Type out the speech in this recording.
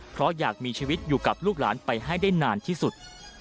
เพราะอยากมีชีวิตอยู่กับลูกหลานไปให้ได้นานที่สุด